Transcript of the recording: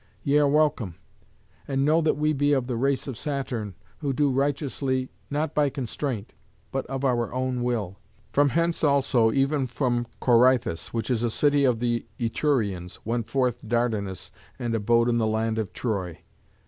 Ye are welcome. And know that we be of the race of Saturn, who do righteously, not by constraint, but of our own will. From hence also, even from Corythus, which is a city of the Etrurians, went forth Dardanus, and abode in the land of Troy."